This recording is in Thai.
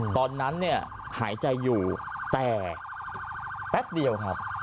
ตอนนั้นเนี่ยหายใจอยู่แต่แป๊บเดียวครับ